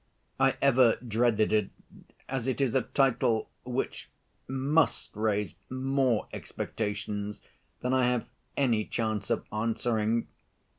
I ever dreaded it, as it is a title which must raise more expectations than I have any chance of answering.